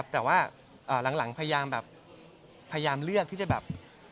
แต่ว่าหลังพยายามเลือกที่จะแบบ